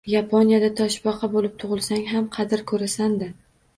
Yaponiyada toshbaqa bo‘lib tug‘ilsang ham qadr ko‘rasan-da